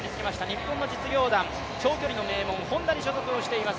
日本の実業団、長距離の名門、ホンダに所属しています。